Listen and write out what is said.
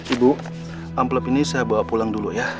ibu amplop ini saya bawa pulang dulu ya